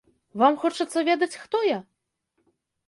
Вам хочацца ведаць, хто я?